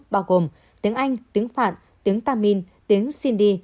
bao gồm tiếng anh tiếng phạn tiếng tamin tiếng sindhi